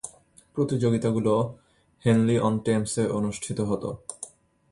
প্রতিযোগিতাগুলো হেনলি-অন-টেমসে অনুষ্ঠিত হতো।